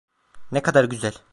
Ne kadar güzel.